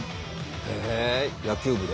へえ野球部で？